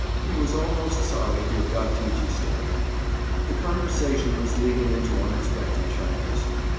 He was almost sorry he had got Gee gee started. The conversation was leading into unexpected channels.